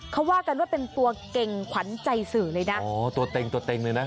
เขาว่ากันว่าเป็นตัวเก่งขวัญใจสื่อเลยนะอ๋อตัวเต็งตัวเต็งเลยนะ